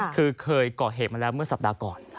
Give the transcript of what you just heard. คือเคยก่อเหตุมาแล้วเมื่อสัปดาห์ก่อน